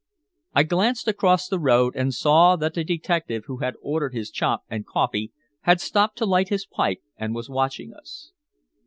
I glanced across the road, and saw that the detective who had ordered his chop and coffee had stopped to light his pipe and was watching us.